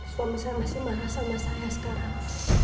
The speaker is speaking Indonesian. suami saya masih marah sama saya sekarang